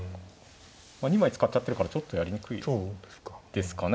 ２枚使っちゃってるからちょっとやりにくいですかね。